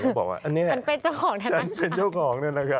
ก็บอกว่าอันนี้แหละฉันเป็นเจ้าของในธนาคาร